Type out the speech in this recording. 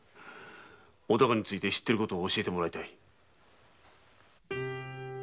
お孝について知っていることを教えてもらいたい。